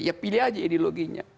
ya pilih aja ideologinya